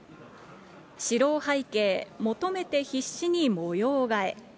白背景求めて必死に模様替え。